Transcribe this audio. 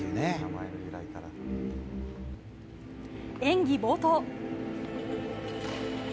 演技冒頭。